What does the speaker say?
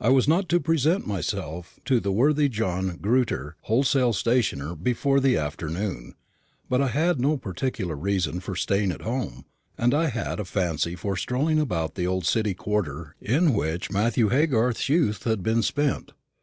I was not to present myself to the worthy John Grewter, wholesale stationer, before the afternoon; but I had no particular reason for staying at home, and I had a fancy for strolling about the old City quarter in which Matthew Haygarth's youth had been spent.